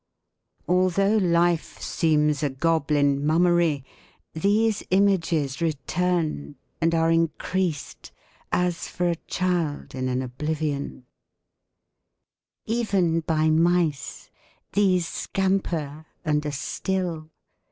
Although life seems a goblin mummery. These images return and are increased. As for a child in an oblivion: Even by mice— these scamper and are still.